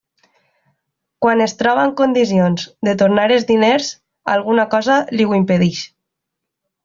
Quan es troba en condicions de tornar els diners, alguna cosa li ho impedeix.